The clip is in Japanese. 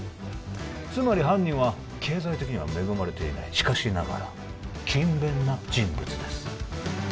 つまり犯人は経済的には恵まれていないしかしながら勤勉な人物です